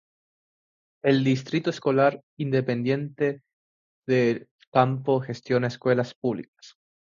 El Distrito Escolar Independiente de El Campo gestiona escuelas públicas.